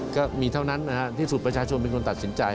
ก็มีเท่านั้นที่สุดประชาชนเป็นคนตัดสินใจ